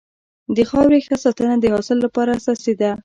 د خاورې ښه ساتنه د حاصل لپاره اساسي ده.